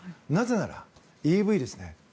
なぜならＥＶです。